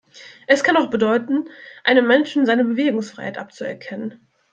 Es kann auch bedeuten, einem Menschen seine Bewegungsfreiheit abzuerkennen.